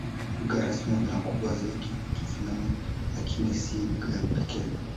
Lugha rasmi na kubwa zaidi ni Kihispania, lakini si lugha pekee.